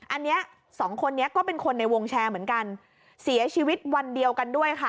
อันนี้สองคนนี้ก็เป็นคนในวงแชร์เหมือนกันเสียชีวิตวันเดียวกันด้วยค่ะ